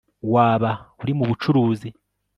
Waba uri mubucuruzi